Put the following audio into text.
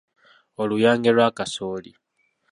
Oluyange lwa kasooli.